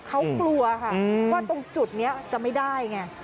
เขากลัวค่ะว่าตรงจุดนี้จะไม่ได้ไง